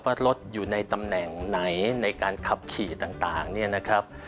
ว่ารถอยู่ในตำแหน่งไหนในการขับขี่ต่างเนี่ยนะครับ